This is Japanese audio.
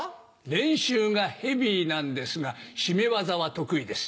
練習がヘビーなんですが絞め技は得意です。